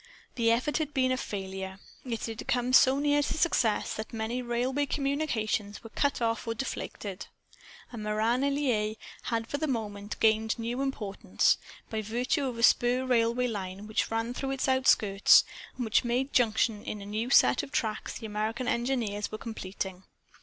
The effort had been a failure; yet it had come so near to success that many railway communications were cut off or deflected. And Meran en Laye had for the moment gained new importance, by virtue of a spur railway line which ran through its outskirts and which made junction with a new set of tracks the American engineers were completing.